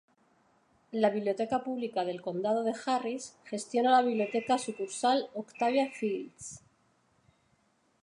La Biblioteca Pública del Condado de Harris gestiona la Biblioteca Sucursal Octavia Fields.